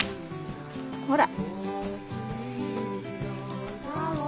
ほら！